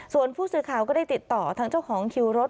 ส่วนผู้สื่อข่าวก็ได้ติดต่อทางเจ้าของคิวรถ